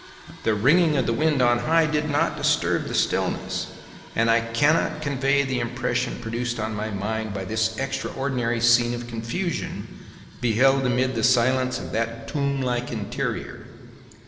The ringing of the wind on high did not disturb the stillness, and I cannot convey the impression produced on my mind by this extraordinary scene of confusion beheld amid the silence of that tomblike interior.